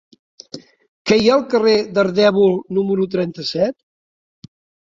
Què hi ha al carrer d'Ardèvol número trenta-set?